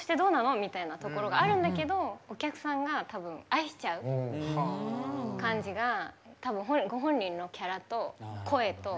みたいなところがあるんだけどお客さんが、たぶん愛しちゃう感じがご本人のキャラと声と。